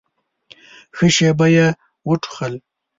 ښه شېبه يې وټوخل.